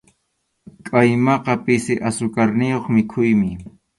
Qʼaymaqa pisi asukarniyuq mikhuymi.